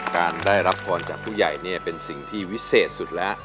การได้รับพรจากผู้ใหญ่เนี่ยเป็นสิ่งที่วิเศษสุดแล้ว